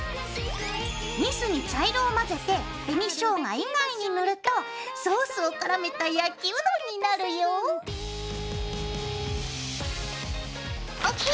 ニスに茶色を混ぜて紅ショウガ以外に塗るとソースをからめた焼きうどんになるよ。ＯＫ！